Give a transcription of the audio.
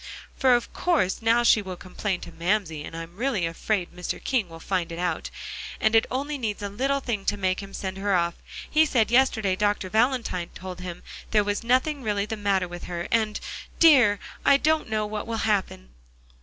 "For of course, now she will complain to Mamsie, and I'm really afraid Mr. King will find it out; and it only needs a little thing to make him send her off. He said yesterday Dr. Valentine told him there was nothing really the matter with her and dear! I don't know what will happen."